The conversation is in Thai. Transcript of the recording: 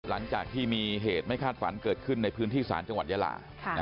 หลังจากที่มีเหตุไม่คาดฝันเกิดขึ้นในพื้นที่ศาลจังหวัดยาลา